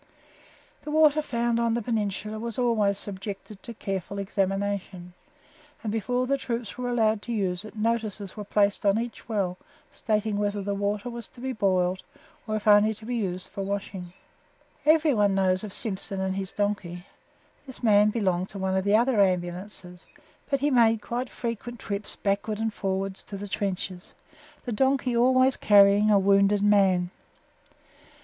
] The water found on the Peninsula was always subjected to careful examination, and, before the troops were allowed to use it notices were placed on each well stating whether the water was to be boiled or if only to be used for washing. SIMPSON Everyone knows of Simpson and his donkey. This man belonged to one of the other Ambulances, but he made quite frequent trips backwards and forwards to the trenches, the donkey always carrying a wounded man.